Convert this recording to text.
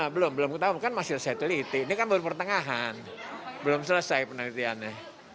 belum belum ketahuan kan masih kesateliti ini kan baru pertengahan belum selesai penelitiannya